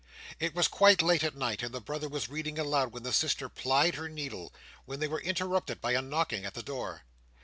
It was quite late at night, and the brother was reading aloud while the sister plied her needle, when they were interrupted by a knocking at the door.